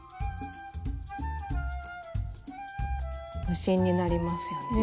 無心になりますよね。